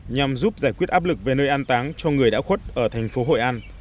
nhằm giúp giải quyết áp lực về nơi an táng cho người đã khuất ở thành phố hội an